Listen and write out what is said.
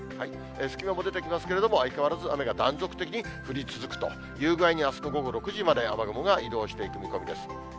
隙間も出てきますけれども、相変わらず雨が断続的に降り続くという具合に、あすの午後６時まで雨雲が移動していく見込みです。